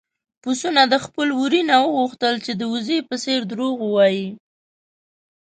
پسونو د خپل وري نه وغوښتل چې د وزې په څېر دروغ ووايي.